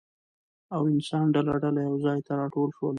او انسانان ډله ډله يو ځاى ته راټول شول